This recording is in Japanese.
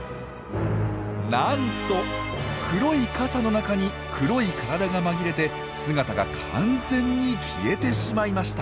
なんと黒い傘の中に黒い体が紛れて姿が完全に消えてしまいました！